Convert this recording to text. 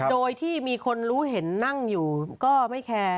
โดยที่มีคนรู้เห็นนั่งอยู่ก็ไม่แคร์